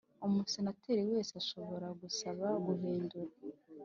Umusenateri wese ashobora gusaba guhindura